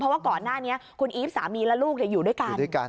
เพราะว่าก่อนหน้านี้คุณอีฟสามีและลูกอยู่ด้วยกัน